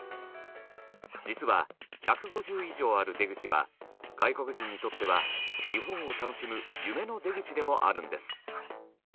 実は、１５０以上ある出口は外国人にとっては日本を楽しむ夢の出口でもあるんです